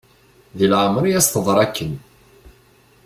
Deg leɛmer i as-teḍra akken.